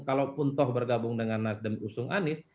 kalaupun toh bergabung dengan nasdem usung anies